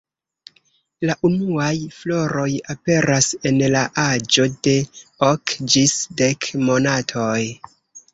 La unuaj floroj aperas en la aĝo de ok ĝis dek monatoj.